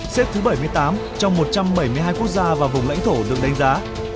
xếp thứ bảy mươi tám trong một trăm bảy mươi hai quốc gia và vùng lãnh thổ được đánh giá